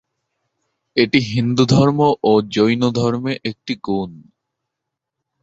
এটি হিন্দুধর্ম ও জৈনধর্মে একটি গুণ।